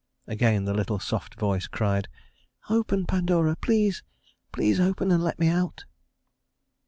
Again the little soft voice cried: "Open, Pandora, please, please open and let me out."